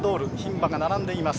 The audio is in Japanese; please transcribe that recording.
牝馬が並んでいます。